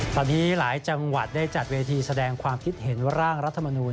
ตอนนี้หลายจังหวัดได้จัดเวทีแสดงความคิดเห็นร่างรัฐมนูล